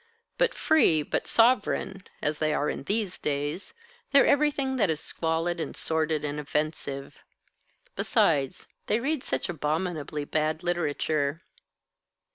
But free, but sovereign, as they are in these days, they're everything that is squalid and sordid and offensive. Besides, they read such abominably bad literature."